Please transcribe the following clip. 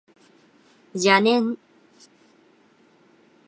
邪念